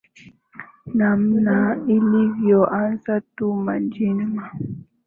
namna ilivyo anza tu majuma